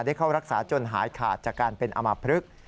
เข้ารักษาจนหายขาดจากการเป็นอมพลึก